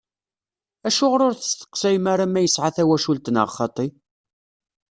Acuɣer ur testeqsayem ara ma yesɛa tawacult neɣ xaṭi?